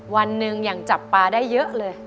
วันหนึ่งอย่างจับปลาได้เยอะเลย